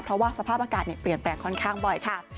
เพราะว่าสภาพอากาศเปลี่ยนแปลงค่อนข้างบ่อยค่ะ